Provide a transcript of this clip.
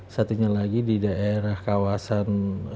satunya lagi di daerah kawasan